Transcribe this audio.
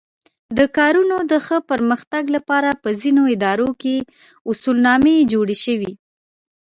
د کارونو د ښه پرمختګ لپاره په ځینو ادارو کې اصولنامې جوړې شوې.